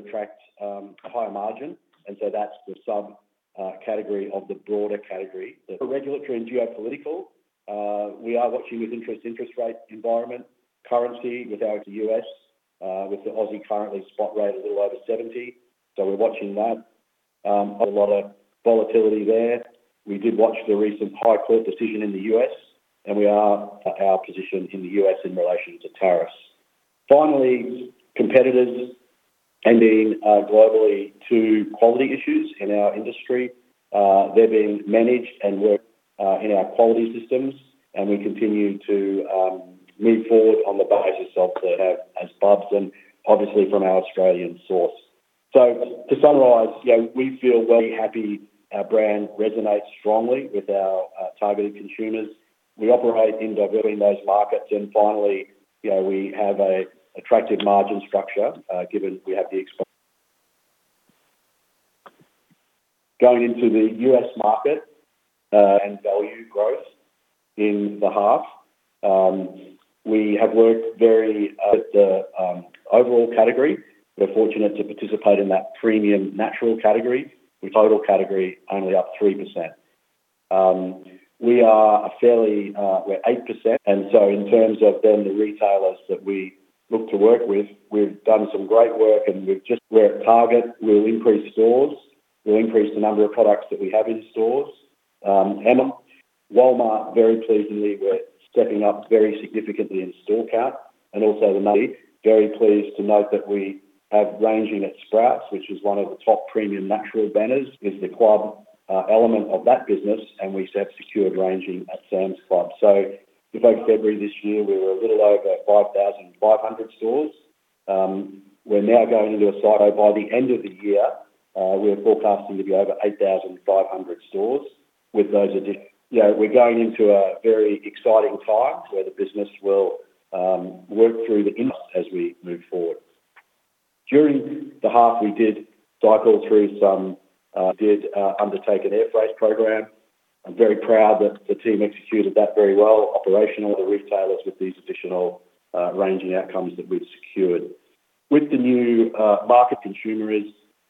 To attract a higher margin. That's the sub category of the broader category. The regulatory and geopolitical, we are watching with interest rate, environment, currency with the Aussie currently spot rate a little over 70. We're watching that. A lot of volatility there. We did watch the recent high court decision in the U.S., and we are at our position in the U.S. in relation to tariffs. Finally, competitors tending globally to quality issues in our industry. They're being managed and worked in our quality systems, and we continue to move forward on the basis of the have as Bubs and obviously from our Australian source. To summarize, you know, we feel very happy our brand resonates strongly with our targeted consumers. We operate in diversified markets. Finally, you know, we have a attractive margin structure, given we have the expo. Going into the U.S. market, value growth in the half, we have worked very with the overall category. We're fortunate to participate in that premium natural category, with total category only up 3%. We are a fairly, we're 8%. In terms of then the retailers that we look to work with, we've done some great work, and we're at Target. We'll increase stores. We'll increase the number of products that we have in stores. Emma, Walmart, very pleasingly, we're stepping up very significantly in store count and also very pleased to note that we have ranging at Sprouts, which is one of the top premium natural banners, is the club element of that business, and we have secured ranging at Sam's Club. If by February this year, we were a little over 5,500 stores, we're now going into a site, or by the end of the year, we are forecasting to be over 8,500 stores with those addition we're going into a very exciting time where the business will work through as we move forward. During the half, we did undertake an air freight program. I'm very proud that the team executed that very well, operational, the retailers with these additional ranging outcomes that we've secured. With the new market consumer is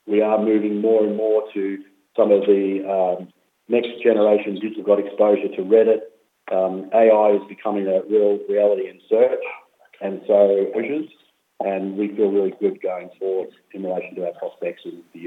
we are moving more and more to some of the next generation. We've got exposure to Reddit. AI is becoming a real reality in search, pushes, we feel really good going forward in relation to our prospects in the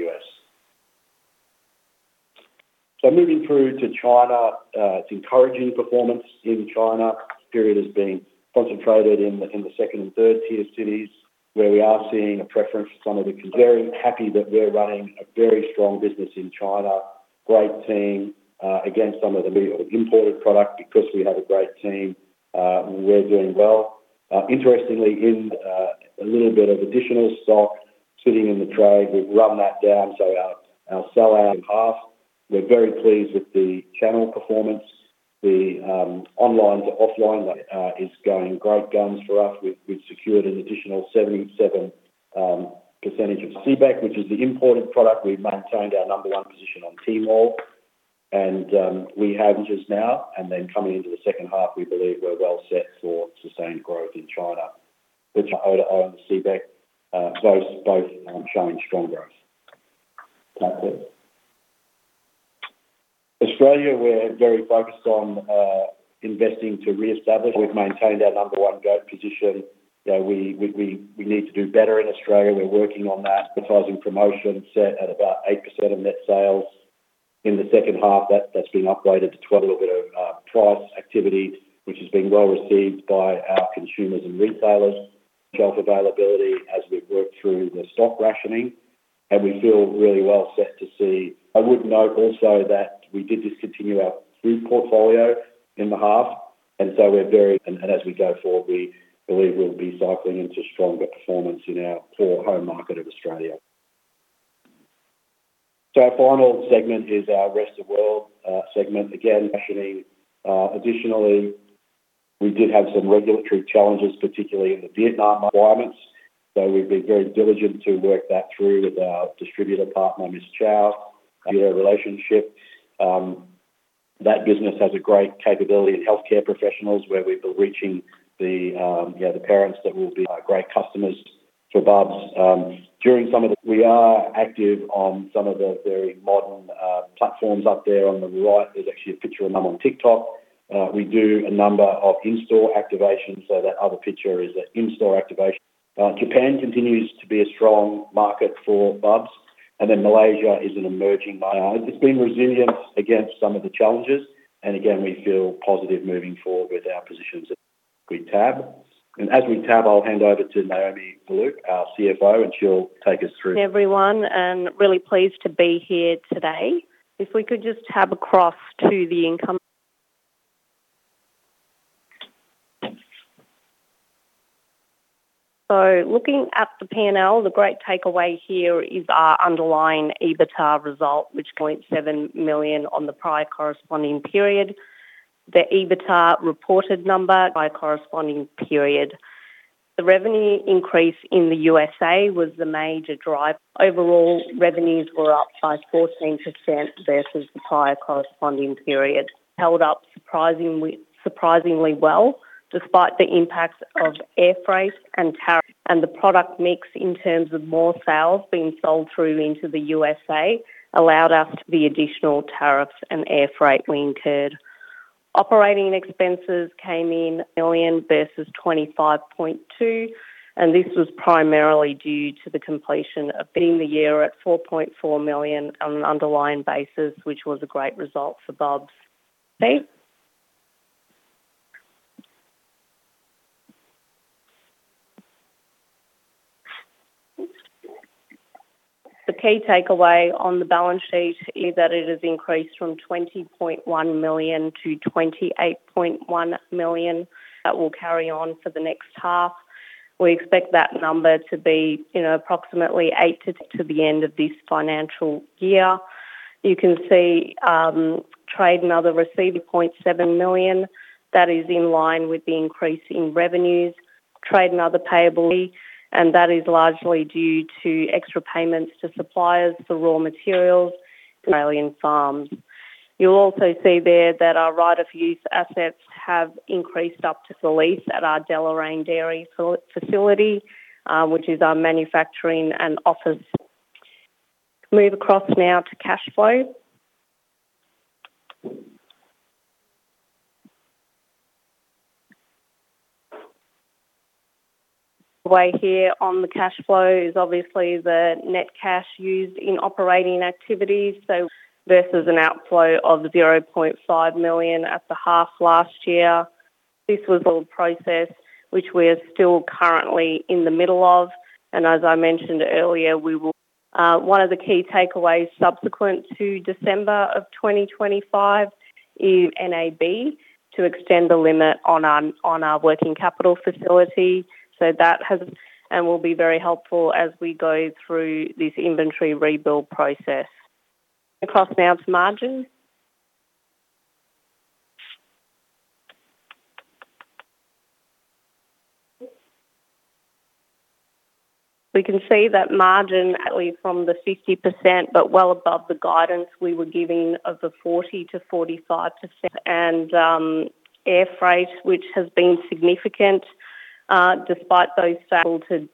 U.S. Moving through to China, it's encouraging performance in China. Period is being concentrated in the second and third tier cities, where we are seeing a preference for very happy that we're running a very strong business in China. Great team, against some of the middle of imported product because we have a great team, we're doing well. Interestingly, in a little bit of additional stock sitting in the trade, we've run that down, our sell out half, we're very pleased with the channel performance. The online-to-offline is going great guns for us. We've secured an additional 77% of CBEC, which is the imported product. We've maintained our number one position on Tmall, we have just now and then coming into the second half, we believe we're well set for sustained growth in China, which I own CBEC. Those both showing strong growth. That's it. Australia, we're very focused on investing to reestablish. We've maintained our number one go position. We need to do better in Australia. We're working on that. Advertising promotion set at about 8% of net sales. In the second half, that's been upgraded to 12, a little bit of price activity, which has been well received by our consumers and retailers. Self-availability as we've worked through the stock rationing, we feel really well set to see. I would note also that we did discontinue our food portfolio in the half, and as we go forward, we believe we'll be cycling into stronger performance in our core home market of Australia. Our final segment is our rest of world segment. Again, rationing. Additionally, we did have some regulatory challenges, particularly in the Vietnam requirements. We've been very diligent to work that through with our distributor partner, Ms. Chow, relationship. That business has a great capability in healthcare professionals, where we've been reaching the, you know, the parents that will be our great customers for Bubs. During some of the we are active on some of the very modern platforms. Up there on the right is actually a picture of them on TikTok. We do a number of in-store activations, so that other picture is an in-store activation. Japan continues to be a strong market for Bubs, Malaysia is an emerging buyer. It's been resilient against some of the challenges, we feel positive moving forward with our positions at GRIT. As we tab, I'll hand over to Naomi Verloop, our CFO, and she'll take us through. Everyone, I'm really pleased to be here today. If we could just tab across to the income. Looking at the P&L, the great takeaway here is our underlying EBITDA result, which 0.7 million on the prior corresponding period. The EBITDA reported number. The revenue increase in the USA was the major driver. Overall, revenues were up by 14% versus the prior corresponding period. Held up surprisingly well, despite the impacts of air freight and tariff, and the product mix in terms of more sales being sold through into the USA allowed us the additional tariffs and air freight we incurred. Operating expenses came in million versus 25.2, and this was primarily due to the completion of being the year at 4.4 million on an underlying basis, which was a great result for Bubs. The key takeaway on the balance sheet is that it has increased from 20.1 million to 28.1 million. That will carry on for the next half. We expect that number to be, you know, approximately 8 million to the end of this financial year. You can see trade and other receivable 0.7 million. That is in line with the increase in revenues, trade and other payables, and that is largely due to extra payments to suppliers for raw materials, Australian farms. You'll also see there that our right-of-use assets have increased up to the lease at our Deloraine Dairy facility, which is our manufacturing and office. Move across now to cash flow. Way here on the cash flow is obviously the net cash used in operating activities, so versus an outflow of 0.5 million at the half last year. This was all process which we are still currently in the middle of. As I mentioned earlier, we will, one of the key takeaways subsequent to December of 2025 is NAB to extend the limit on our, on our working capital facility. That has and will be very helpful as we go through this inventory rebuild process. Across now to margin. We can see that margin, at least from the 50%, but well above the guidance we were giving of the 40%-45% and air freight, which has been significant, despite those sales, to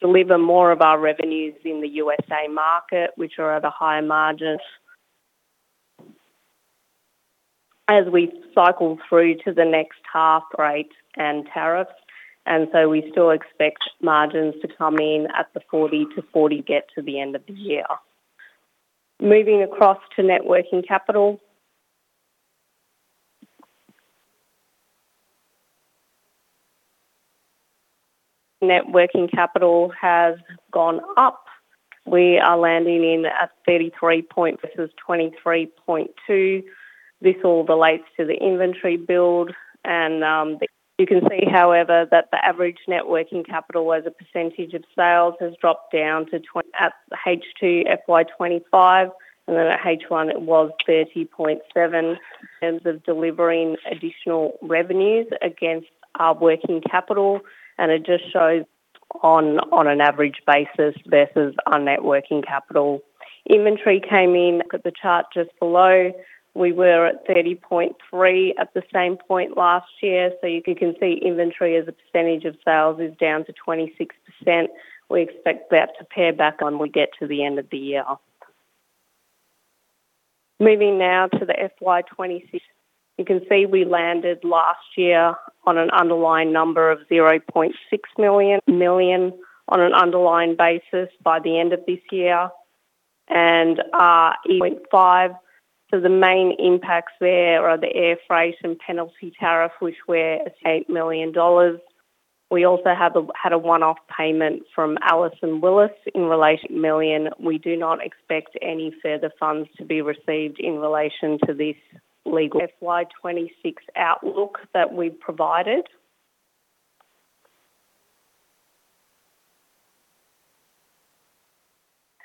deliver more of our revenues in the USA market, which are at a higher margin. As we cycle through to the next half rate and tariffs, we still expect margins to come in at the 40 to 40 get to the end of the year. Moving across to net working capital. Net working capital has gone up. We are landing in at 33.0 versus 23.2. This all relates to the inventory build. You can see, however, that the average net working capital as a percentage of sales has dropped down at H2 FY25, and then at H1, it was 30.7. In terms of delivering additional revenues against our working capital, it just shows on an average basis versus our net working capital. Inventory came in at the chart just below. We were at 30.3 at the same point last year, so you can see inventory as a percentage of sales is down to 26%. We expect that to pare back when we get to the end of the year. Moving now to the FY26. You can see we landed last year on an underlying number of 0.6 million on an underlying basis by the end of this year and 8.5 million. The main impacts there are the air freight and penalty tariff, which were 8 million dollars. We also had a one-off payment from Alice and Willis in relation million. We do not expect any further funds to be received in relation to this FY26 outlook that we provided.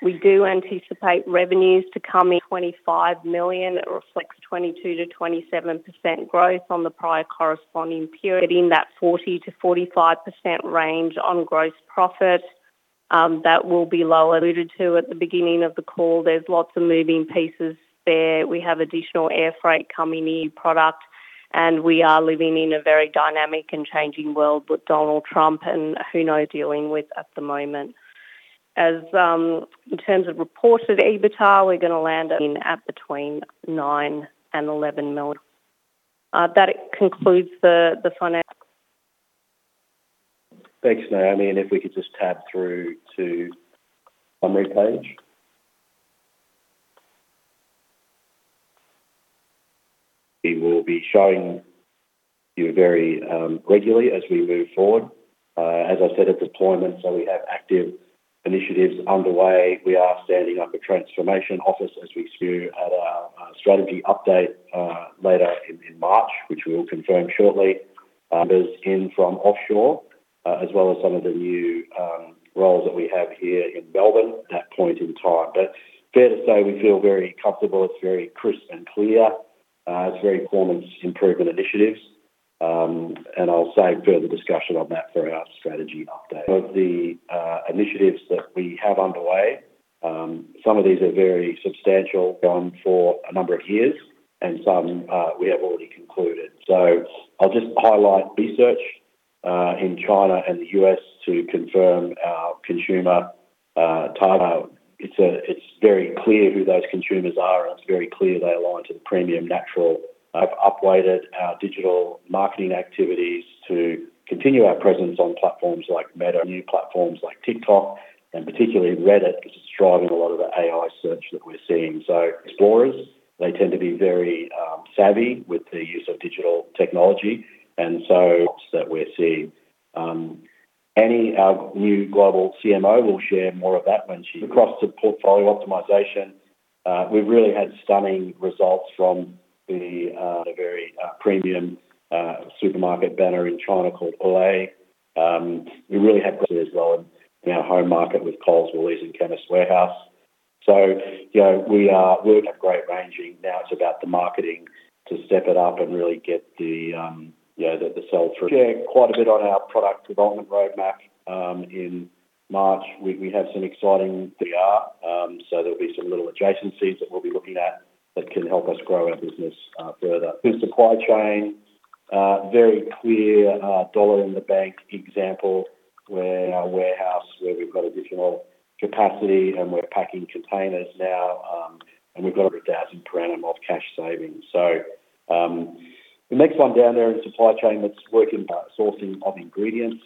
We do anticipate revenues to come in 25 million. It reflects 22%-27% growth on the prior corresponding period, in that 40%-45% range on gross profit. That will be lower. Alluded to at the beginning of the call, there's lots of moving pieces there. We have additional air freight coming in, product, and we are living in a very dynamic and changing world with Donald Trump dealing with at the moment. In terms of reported EBITDA, we're going to land in at between 9 million and 11 million. That concludes the finance. Thanks, Naomi. If we could just tab through to summary page. We will be showing you very regularly as we move forward. As I said at deployment, we have active initiatives underway. We are standing up a transformation office as we speak at our strategy update later in March, which we will confirm shortly. Members in from offshore, as well as some of the new roles that we have here in Melbourne at that point in time. Fair to say, we feel very comfortable. It's very crisp and clear. It's very performance improvement initiatives. I'll save further discussion on that for our strategy update. Of the initiatives that we have underway, some of these are very substantial, gone for a number of years, and some we have already concluded. I'll just highlight research in China and the US to confirm our consumer title. It's very clear who those consumers are, and it's very clear they align to the premium natural. I've upweighted our digital marketing activities to continue our presence on platforms like Meta, new platforms like TikTok, and particularly Reddit, which is driving a lot of the AI search that we're seeing. Explorers, they tend to be very savvy with the use of digital technology, and so that we're seeing. Annie, our new global CMO, will share more of that when she. Across to portfolio optimization, we've really had stunning results from the very premium supermarket banner in China called Olé. We really had as well in our home market with Coles, Woolies, and Chemist Warehouse. We're at great ranging. Now it's about the marketing to step it up and really get the sell-through. Quite a bit on our product development roadmap. In March, we have some exciting VR, so there'll be some little adjacencies that we'll be looking at that can help us grow our business further. In supply chain, very clear dollar in the bank example, where our warehouse, where we've got additional capacity and we're packing containers now, and we've got 1,000 per annum of cash savings. The next one down there in supply chain that's working, sourcing of ingredients,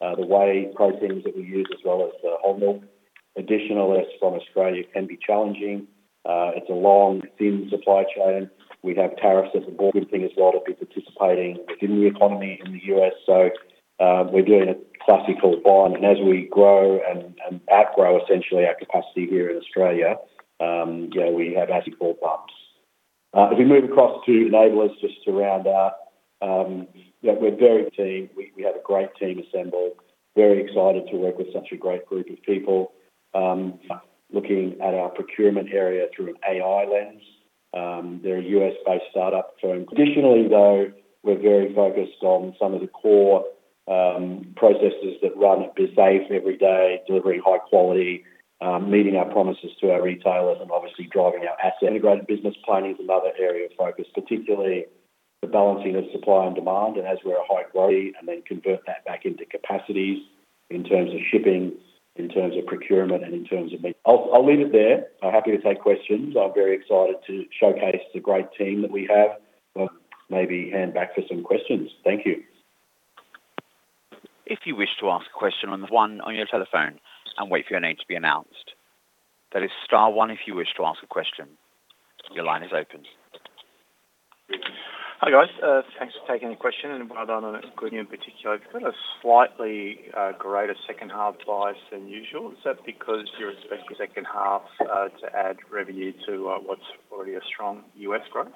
the whey proteins that we use, as well as the whole milk. Additional as from Australia can be challenging. It's a long, thin supply chain. We have tariffs at the board. Good thing as well to be participating in the economy in the U.S., we're doing a classical bind, and as we grow and outgrow essentially our capacity here in Australia, you know, we have as four pumps. If we move across to enablers, just to round out, you know, we're very team. We have a great team assembled, very excited to work with such a great group of people. Looking at our procurement area through an AI lens, they're a U.S.-based start-up firm. Additionally, though, we're very focused on some of the core processes that run safe every day, delivering high quality, meeting our promises to our retailers, and obviously, driving our asset. Integrated business planning is another area of focus, particularly the balancing of supply and demand. Convert that back into capacities in terms of shipping, in terms of procurement. I'll leave it there. I'm happy to take questions. I'm very excited to showcase the great team that we have. Maybe hand back for some questions. Thank you. If you wish to ask a question on the one on your telephone and wait for your name to be announced. That is star one if you wish to ask a question. Your line is open. Hi, guys. thanks for taking the question, and well done on it, good in particular. You've got a slightly, greater second-half bias than usual. Is that because you're expecting the second half to add revenue to what's already a strong U.S. growth?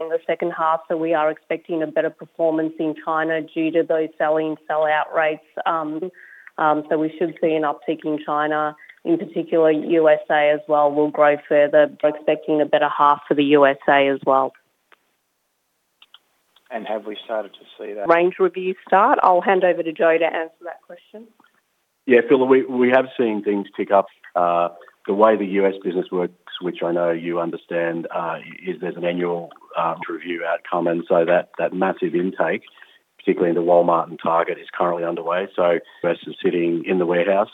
In the second half, we are expecting a better performance in China due to those selling, sellout rates. We should see an uptick in China, in particular, USA as well. We'll grow further. We're expecting a better half for the USA as well. Have we started to see that? Range review start. I'll hand over to Joe to answer that question. Phil, we have seen things pick up. The way the US business works, which I know you understand, is there's an annual review outcome. That massive intake, particularly in the Walmart and Target, is currently underway. Whereas it's sitting in the warehouse,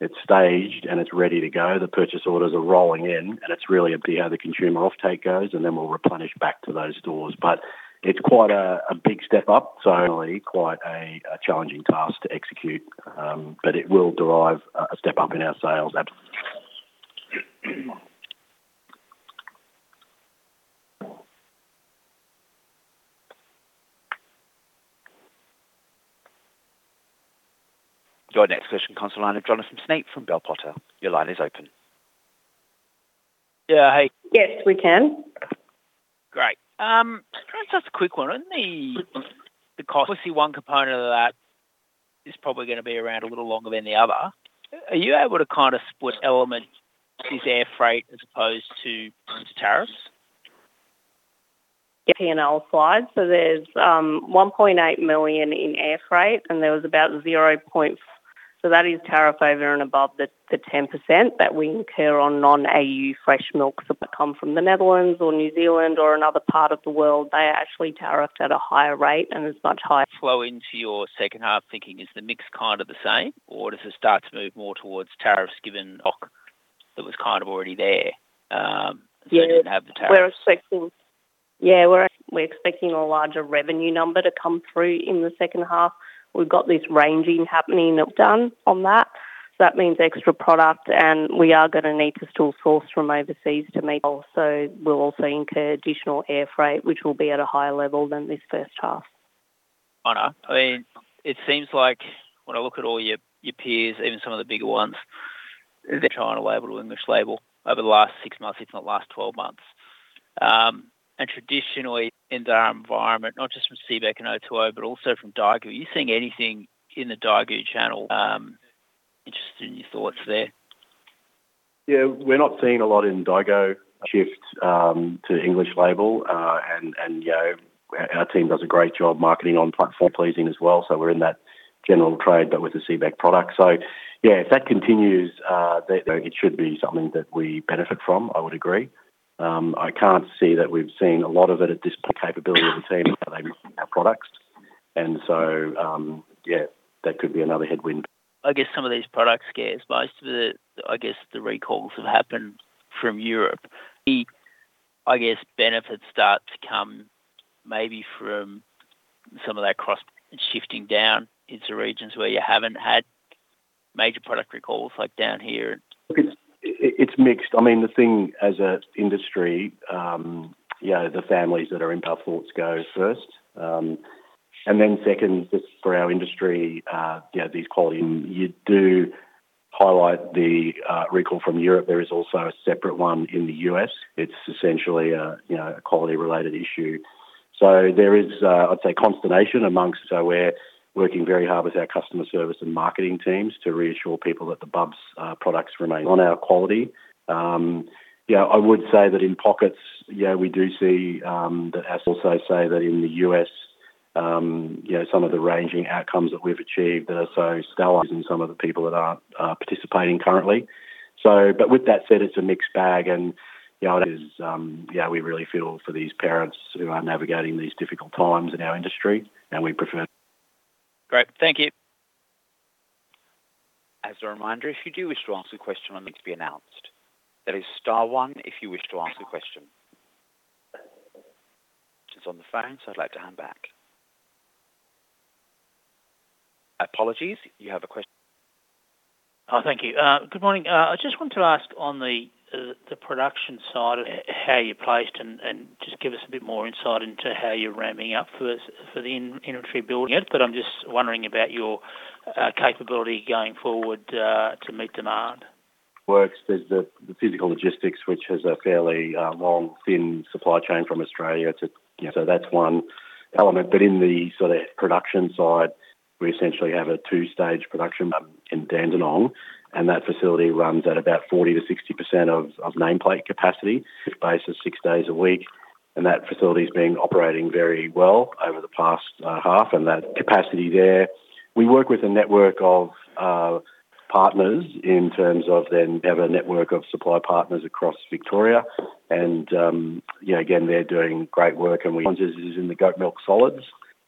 it's staged, and it's ready to go. The purchase orders are rolling in, and it's really up to how the consumer offtake goes, and then we'll replenish back to those stores. It's quite a big step up, so only quite a challenging task to execute. It will derive a step up in our sales. Absolutely. Your next question comes online with Jonathan Snape from Bell Potter. Your line is open. Great. just a quick one. On the cost, we see one component of that is probably gonna be around a little longer than the other. Are you able to kind of split elements, this air freight as opposed to tariffs? P&L slide. There's 1.8 million in air freight. That is tariff over and above the 10% that we incur on non-AU fresh milks that come from the Netherlands or New Zealand or another part of the world. They are actually tariffed at a higher rate. Flow into your second half thinking, is the mix kind of the same, or does it start to move more towards tariffs, given doc that was kind of already there before you have the tariff? We're expecting a larger revenue number to come through in the second half. We've got this ranging happening done on that. That means extra product, and we are gonna need to still source from overseas to meet. Also, we'll also incur additional air freight, which will be at a higher level than this first half. Honor. I mean, it seems like when I look at all your peers, even some of the bigger ones, the China label, English label over the last six months, if not last 12 months, and traditionally in their environment, not just from CBEC and O2O, but also from Daigou. Are you seeing anything in the Daigou channel. Interested in your thoughts there? We're not seeing a lot in Daigou shift to English label, and our team does a great job marketing on platform pleasing as well. We're in that general trade, but with the CBEC product. If that continues, then it should be something that we benefit from, I would agree. I can't see that we've seen a lot of it at this capability of the team, how they miss our products. That could be another headwind. I guess some of these product scares, most of the, I guess, the recalls have happened from Europe. The, I guess, benefits start to come maybe from some of that cross-shifting down into regions where you haven't had major product recalls, like down here. Look, it's mixed. The thing as a industry the families that are in power ports go first. Second, just for our industry, you know, these quality, you do highlight the recall from Europe. There is also a separate one in the U.S. It's essentially a quality-related issue. There is a consternation amongst, so we're working very hard with our customer service and marketing teams to reassure people that the Bubs products remain on our quality. I would say that in pockets we do see that also say that in the U.S., you know, some of the ranging outcomes that we've achieved that are so stellar and some of the people that are participating currently. With that said, it's a mixed bag, and it is, we really feel for these parents who are navigating these difficult times in our industry, and we prefer. Great. Thank you. As a reminder, if you do wish to ask a question on things to be announced, that is star one if you wish to ask a question just on the phone. I'd like to hand back. Apologies, you have a question. Thank you. Good morning. I just want to ask on the production side, how are you placed? Just give us a bit more insight into how you're ramping up for the in-inventory building. I'm just wondering about your capability going forward to meet demand. Works, there's the physical logistics, which has a fairly long, thin supply chain from Australia to, you know, so that's one element. In the production side, we essentially have a two-stage production in Dandenong, and that facility runs at about 40%-60% of nameplate capacity, basis six days a week, and that facility is being operating very well over the past half, and that capacity there. We work with a network of partners in terms of then we have a network of supply partners across Victoria, and again, they're doing great work. One is in the goat milk solids,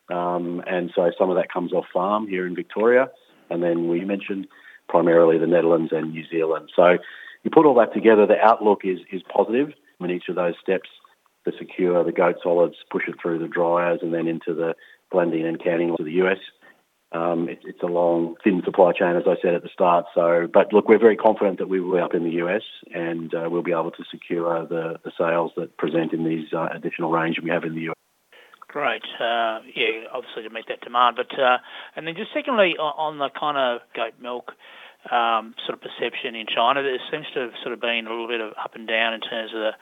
and so some of that comes off farm here in Victoria, and then we mentioned primarily the Netherlands and New Zealand. You put all that together, the outlook is positive. When each of those steps to secure the goat solids, push it through the dryers, and then into the blending and canning to the U.S. It's a long, thin supply chain, as I said at the start. Look, we're very confident that we will be up in the U.S., and we'll be able to secure the sales that present in these additional range we have in the U.S. Great. Obviously, to meet that demand. Just secondly, on the kind of goat milk, sort of perception in China, there seems to have sort of been a little bit of up and down in terms of the,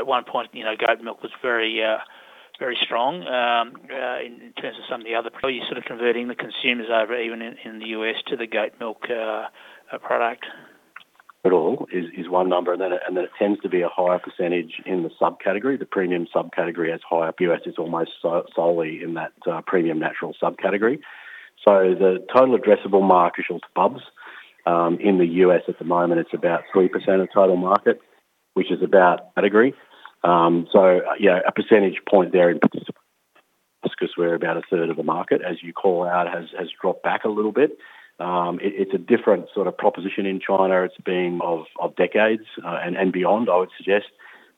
at one point, you know, goat milk was very strong, in terms of some of the other, you sort of converting the consumers over, even in the U.S., to the goat milk product. At all is one number, and it tends to be a higher percentage in the subcategory. The premium subcategory as high up U.S. is almost solely in that premium natural subcategory. The total addressable market Bubs in the U.S. at the moment, it's about 3% of total market, which is about category. A percentage point there in, 'cause we're about 1/3 of the market, as you call out, has dropped back a little bit. It's a different sort of proposition in China. It's been of decades and beyond, I would suggest.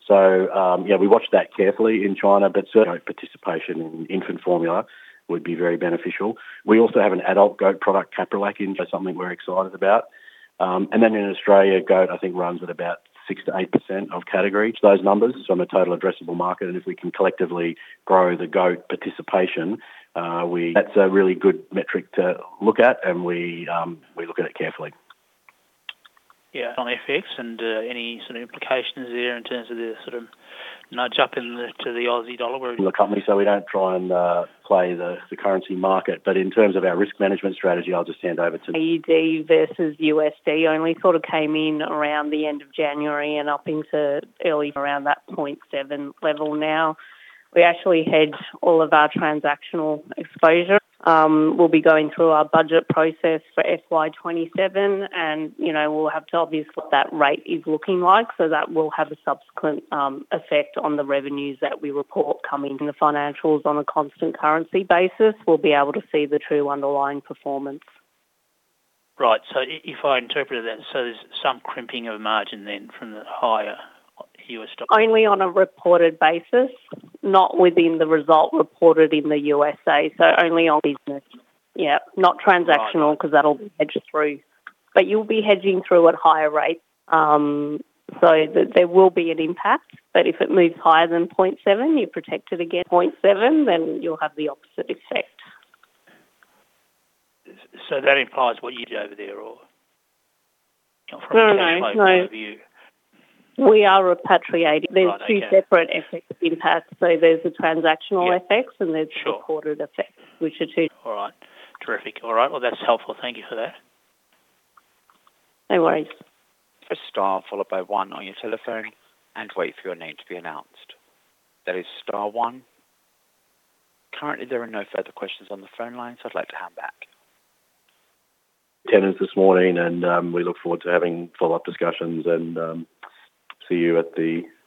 We watch that carefully in China, but certain participation in infant formula would be very beneficial. We also have an adult goat product, CapriLac, into something we're excited about. In Australia, goat runs at about 6%-8% of category. Those numbers from a total addressable market, and if we can collectively grow the goat participation, that's a really good metric to look at, and we look at it carefully. On FX and any sort of implications there in terms of the sort of nudge up in the, to the Aussie dollar. The company, so we don't try and play the currency market, but in terms of our risk management strategy, I'll just hand over. AUD versus USD, we sort of came in around the end of January and up into early around that 0.7 level now. We actually hedge all of our transactional exposure. We'll be going through our budget process for FY27, and, you know, we'll have to obvious what that rate is looking like, so that will have a subsequent effect on the revenues that we report coming in the financials on a constant currency basis. We'll be able to see the true underlying performance. Right. If I interpreted that, there's some crimping of a margin from the higher US dollar. Only on a reported basis, not within the result reported in the U.S.A. Only on business. Not transactional. 'Cause that'll be hedged through. You'll be hedging through at higher rates, so there will be an impact, but if it moves higher than 0.7, you're protected again. 0.7, you'll have the opposite effect. That implies what you do over there or from my point of view? We are repatriating. There's two separate effects impact. There's the transactional effects. There's recorded effects, which are two. All right. Terrific. All right, well, that's helpful. Thank you for that. No worries. Press star followed by one on your telephone and wait for your name to be announced. That is star one. Currently, there are no further questions on the phone line. I'd like to hand back. Attendance this morning, and we look forward to having follow-up discussions and see you.